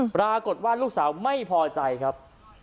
ปรากฏว่าลูกสาวไม่พอใจครับ